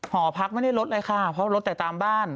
หอพักไม่ได้ลดเลยค่ะเพราะรถแต่ตามบ้าน